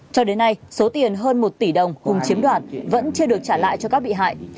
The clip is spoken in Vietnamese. cho đến nay số tiền hơn một tỷ đồng hùng chiếm đoạt vẫn chưa được trả lại cho các bị hại